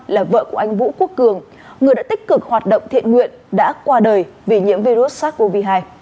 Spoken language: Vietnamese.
là vợ của anh vũ quốc cường người đã tích cực hoạt động thiện nguyện đã qua đời vì nhiễm virus sars cov hai